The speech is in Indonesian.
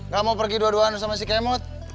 gak mau pergi dua duaan sama si kemote